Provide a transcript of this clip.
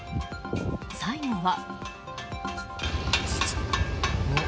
最後は。